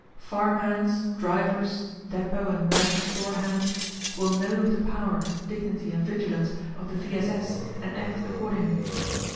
Farm hands, drivers, depot and branch store hands, v/ill know of the power, dignity and vigilance of the V. S. S. and act accordingly.